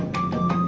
saya luar biasa